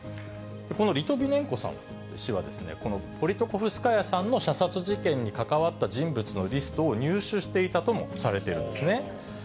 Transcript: このリトビネンコ氏は、ポリトコフスカヤさんの射殺事件に関わった人物のリストを入手していたともされているんですね。